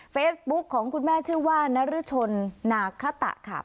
เฟซบุ๊คของคุณแม่ชื่อว่านรชนนาคตะค่ะ